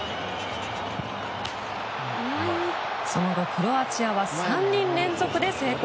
その後、クロアチアは３人連続で成功。